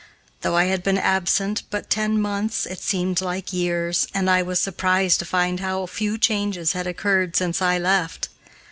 Though I had been absent but ten months, it seemed like years, and I was surprised to find how few changes had occurred since I left.